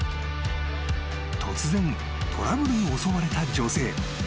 ［突然トラブルに襲われた女性］